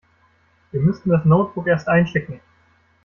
Wir müssten das Notebook erst einschicken.